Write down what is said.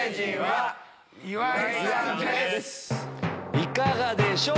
いかがでしょう？